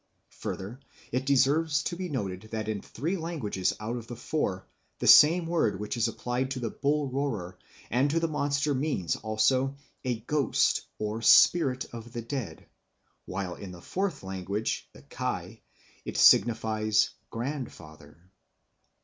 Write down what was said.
Further, it deserves to be noted that in three languages out of the four the same word which is applied to the bull roarer and to the monster means also a ghost or spirit of the dead, while in the fourth language (the Kai) it signifies "grandfather."